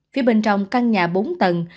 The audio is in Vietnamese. phía bên trong căn nhà bốn tầng